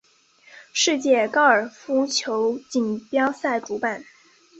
世界高尔夫球锦标赛主办。